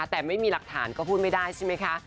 แต่ไม่มีหลักฐานก็พูดไม่ได้ใช่ไหมคะ